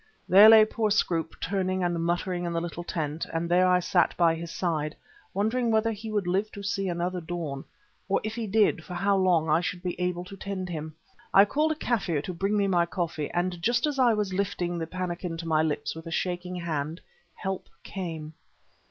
There lay poor Scroope turning and muttering in the little tent, and there I sat by his side, wondering whether he would live to see another dawn, or if he did, for how long I should be able to tend him. I called to a Kaffir to bring me my coffee, and just as I was lifting the pannikin to my lips with a shaking hand, help came.